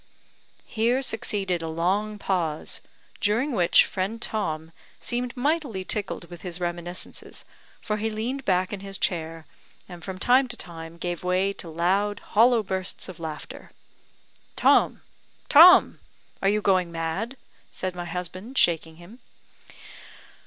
Here succeeded a long pause, during which friend Tom seemed mightily tickled with his reminiscences, for he leaned back in his chair, and from time to time gave way to loud, hollow bursts of laughter. "Tom, Tom! are you going mad?" said my husband, shaking him.